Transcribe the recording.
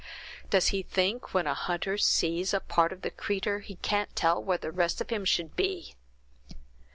"Does he think when a hunter sees a part of the creature', he can't tell where the rest of him should be!"